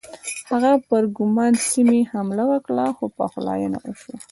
هغه پر ګرمان سیمې حمله وکړه خو پخلاینه وشوه.